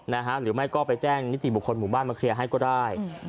หรือไม่ก็ไปแจ้งนิติบุคคลหมู่บ้านมาเคลียร์ให้ก็ได้